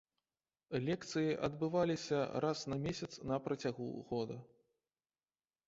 Лекцыі адбываліся раз на месяц на працягу года.